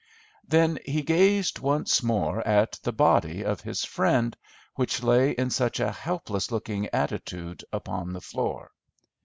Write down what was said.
Then he gazed once more at the body of his friend, which lay in such a helpless looking attitude upon the floor.